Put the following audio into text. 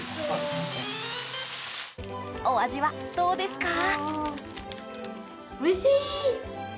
お味はどうですか？